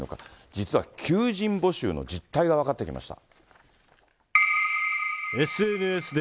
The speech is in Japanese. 実は求人募集の実態が分かってきました。